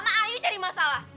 sama ayu cari masalah